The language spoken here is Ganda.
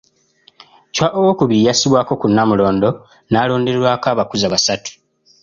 Chwa II yassibwa ku Nnamulondo n'alonderwako abakuza basatu.